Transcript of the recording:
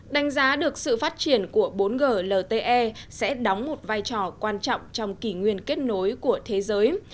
đánh giá được sự phát triển của bốn g lte sẽ đóng một vai trò quan trọng trong kỷ nguyên kết nối của thế giới